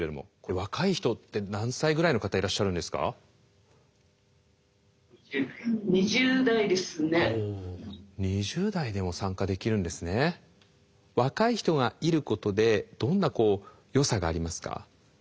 若い人がいることでどんなよさがありますか？